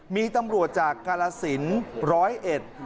มีตำรวจจากกาลสินร้อยเอ็ด